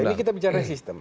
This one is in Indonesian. ini kita bicara sistem